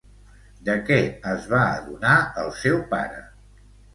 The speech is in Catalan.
De què es va adonar el seu pare?